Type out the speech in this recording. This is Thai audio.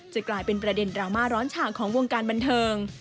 กลายเป็นประเด็นดราม่าร้อนฉ่างของวงการบันเทิง